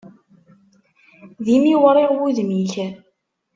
D imiwriɣ wudem-ik.